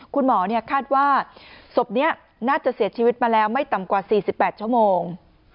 คุณหมอคาดว่าศพนี้น่าจะเสียชีวิตมาแล้วไม่ต่ำกว่า๔๘ชั่วโมง